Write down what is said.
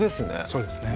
そうですね